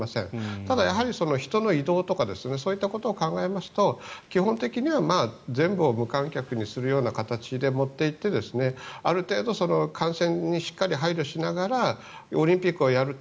ただ、人の移動とかそういったことを考えますと基本的には全部を無観客にするような形で持っていってある程度感染にしっかり配慮しながらオリンピックをやると。